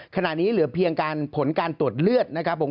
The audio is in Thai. ขณะนี้เหลือเพียงการผลการตรวจเลือดนะครับผม